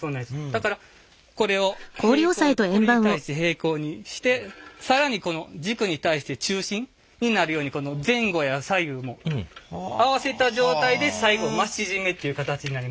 だからこれを平行これに対して平行にして更にこの軸に対して中心になるように前後や左右も合わせた状態で最後増し締めっていう形になります。